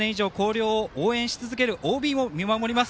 ３０年以上、広陵を応援し続けるＯＢも見守ります。